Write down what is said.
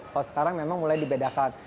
kalau sekarang memang mulai dibedakan